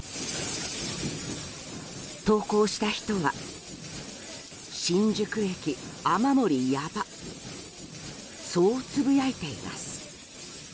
投稿した人は新宿駅雨漏りやばそうつぶやいています。